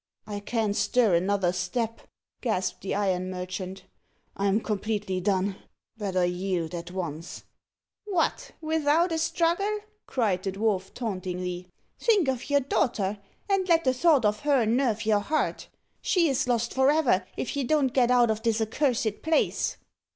"I can't stir another step," gasped the iron merchant. "I'm completely done. Better yield at once." "What, without a struggle?" cried the dwarf tauntingly. "Think of your daughter, and let the thought of her nerve your heart. She is lost for ever, if you don't get out of this accursed place."